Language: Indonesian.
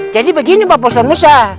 jadi begini pak ustadz musa